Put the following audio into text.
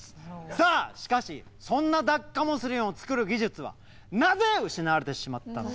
さあしかしそんなダッカモスリンを作る技術はなぜ失われてしまったのか。